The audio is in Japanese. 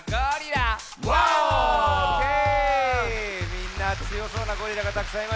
みんなつよそうなゴリラがたくさんいました。